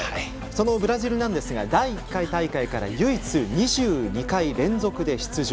そのブラジルなんですが第１回大会から唯一、２２回連続出場。